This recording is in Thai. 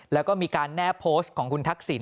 แล้วก็มีการแนบโพสต์ของคุณทักษิณ